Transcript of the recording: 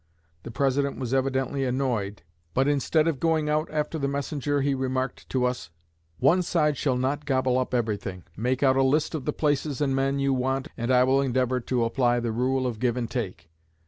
The President was evidently annoyed, but instead of going out after the messenger he remarked to us: 'One side shall not gobble up everything. Make out a list of the places and men you want, and I will endeavor to apply the rule of give and take.'